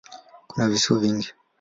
Kuna visiwa vingi.